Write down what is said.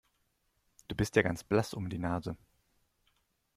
Du bist ja ganz blass um die Nase.